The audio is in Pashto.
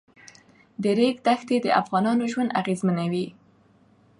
د ریګ دښتې د افغانانو ژوند اغېزمنوي.